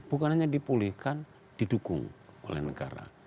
bukan hanya dipulihkan didukung oleh negara